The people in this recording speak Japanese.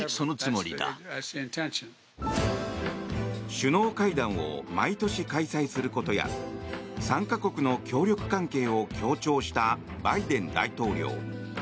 首脳会談を毎年開催することや３か国の協力関係を強調したバイデン大統領。